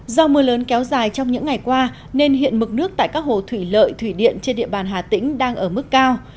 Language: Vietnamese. do mưa lớn kéo dài trong những ngày qua nên hiện mực nước tại các hồ thủy lợi thủy điện trên địa bàn hà tĩnh đang ở mức cao